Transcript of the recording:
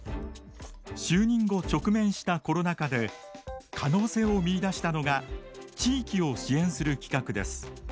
就任後直面したコロナ禍で可能性を見いだしたのが地域を支援する企画です。